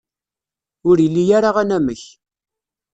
Ur ili ara anamek.